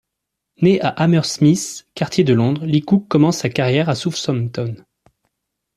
Né à Hammersmith, quartier de Londres, Lee Cook commence sa carrière à Southampton.